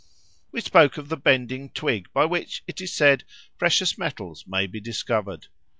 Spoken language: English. We spoke of the bending twig by which, it is said, precious metals may be discovered.